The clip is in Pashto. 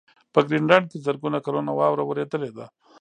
په ګرینلنډ کې زرګونه کلونه واوره ورېدلې ده.